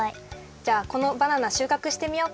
じゃあこのバナナしゅうかくしてみようか。